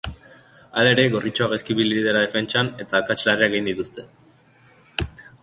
Hala ere, gorritxoak gaizki ibili dira defentsan eta akats larriak egin dituzte.